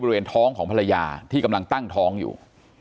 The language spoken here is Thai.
บริเวณท้องของภรรยาที่กำลังตั้งท้องอยู่